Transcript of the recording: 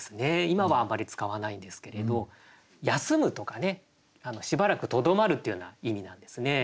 今はあまり使わないんですけれど休むとかねしばらくとどまるっていうような意味なんですね。